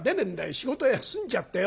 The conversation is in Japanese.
仕事休んじゃってよ。